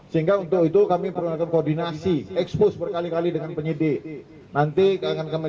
sehingga untuk itu kami perlukan koordinasi expose berkali kali dengan penyidik nanti akan